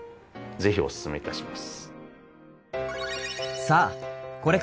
ぜひおすすめいたします。